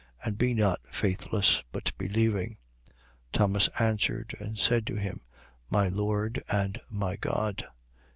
And be not faithless, but believing. 20:28. Thomas answered and said to him: My Lord and my God.